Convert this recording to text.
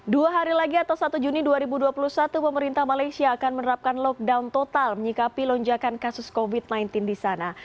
dua hari lagi atau satu juni dua ribu dua puluh satu pemerintah malaysia akan menerapkan lockdown total menyikapi lonjakan kasus covid sembilan belas di sana